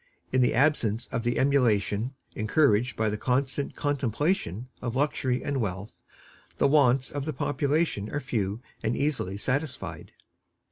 In the absence of the emulation encouraged by the constant contemplation of luxury and wealth, the wants of the population are few and easily satisfied.